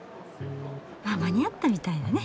あ間に合ったみたいだね。